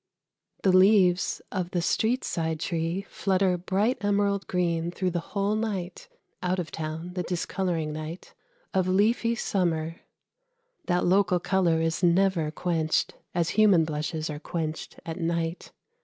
The leaves of the street side tree flutter bright emerald green through the whole night (out of town the discolouring night) of leafy summer. That local colour is never quenched, as human blushes are quenched at night.